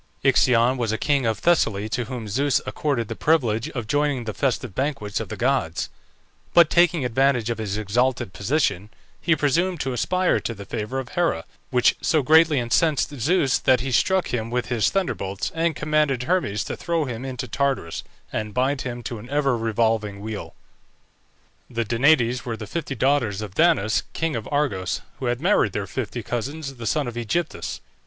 IXION was a king of Thessaly to whom Zeus accorded the privilege of joining the festive banquets of the gods; but, taking advantage of his exalted position, he presumed to aspire to the favour of Hera, which so greatly incensed Zeus, that he struck him with his thunderbolts, and commanded Hermes to throw him into Tartarus, and bind him to an ever revolving wheel. The DANAÏDES were the fifty daughters of Danaus, king of Argos, who had married their fifty cousins, the sons of Ægyptus.